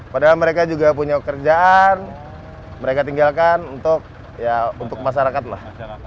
padahal mereka juga punya pekerjaan mereka tinggalkan untuk ya untuk masyarakat lah